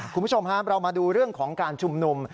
คุณผู้ชมครับเรามาดูเรื่องของการชุมนุม